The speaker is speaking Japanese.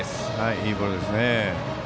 いいボールですね。